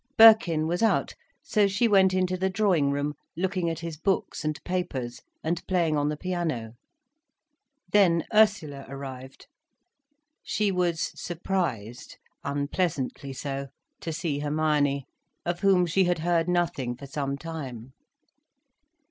Birkin was out, so she went in the drawing room, looking at his books and papers, and playing on the piano. Then Ursula arrived. She was surprised, unpleasantly so, to see Hermione, of whom she had heard nothing for some time.